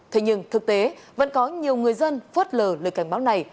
thế nhưng thực tế vẫn có nhiều người dân phớt lờ lời cảnh báo này